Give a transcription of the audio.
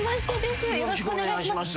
よろしくお願いします。